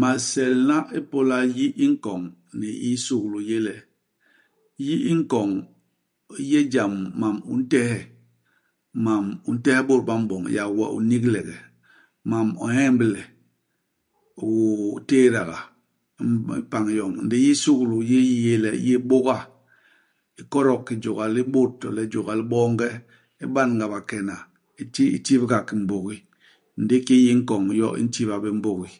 Maselna ipôla yi i nkoñ ni i sukulu i yé le, yi i nkoñ i yé jam mam u ntehe, mam u ntehe bôt ba m'boñ yak we u n'nigilege ; mam u ñemble, u téédaga mm i pañ yoñ. Ndi yi i sukulu i yé yi i yé le i yé i bôga, i kodok ki jôga li bôt to le jôga li boonge ; i ban-ga bakena ; i ti i tibga ki mbôgi. Ndi ki yi i nkoñ yo i ntiba bé mbôgi.